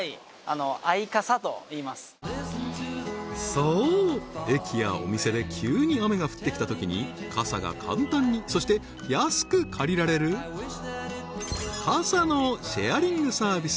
そう駅やお店で急に雨が降ってきた時に傘が簡単にそして安く借りられる傘のシェアリングサービス